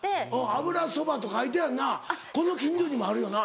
「油そば」と書いてあるなこの近所にもあるよな。